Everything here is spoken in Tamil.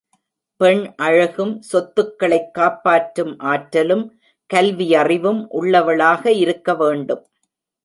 பெண் அழகும், சொத்துக்களைக் காப்பாற்றும் ஆற்றலும், கல்வியறிவும் உள்ளவளாக இருக்க வேண்டும்.